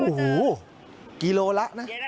โอ้โหกิโลละนะ